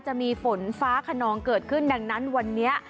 จะมีฝนฟ้าขนองเกิดขึ้นดังนั้นวันนี้